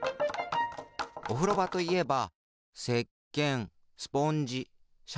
おふろばといえばせっけんスポンジシャンプー。